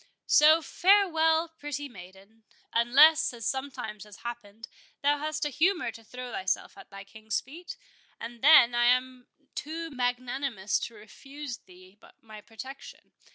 So, farewell, pretty maiden! unless, as sometimes has happened, thou hast a humour to throw thyself at thy King's feet, and then I am too magnanimous to refuse thee my protection.